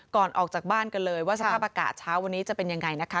ก่อนออกจากบ้านกันเลยว่าสภาพอากาศเช้าวันนี้จะเป็นยังไงนะคะ